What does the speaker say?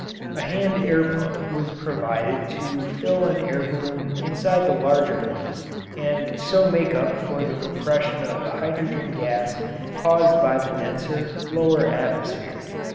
A hand air pump was provided to fill an air balloon inside the larger one and so make up for the compression of the hydrogen gas caused by the denser, lower atmosphere.